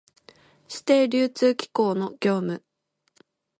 指定流通機構の業務